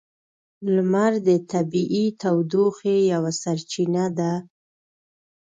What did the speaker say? لمر د طبیعی تودوخې یوه سرچینه ده.